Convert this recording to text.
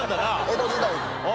江戸時代の。